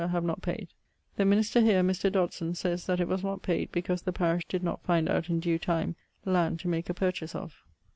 have not payd' The minister here, Mr. Dodson, sayes that it was not payd because the parish did not find out in due time land to make a purchase of.